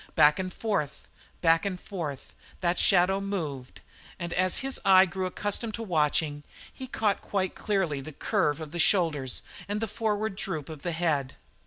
Back and forth, back and forth, that shadow moved, and as his eye grew accustomed to watching, he caught quite clearly the curve of the shoulders and the forward droop of the head.